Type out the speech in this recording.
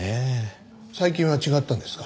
最近は違ったんですか？